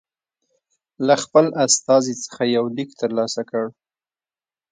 له خپل استازي څخه یو لیک ترلاسه کړ.